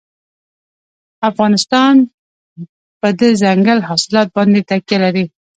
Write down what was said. افغانستان په دځنګل حاصلات باندې تکیه لري.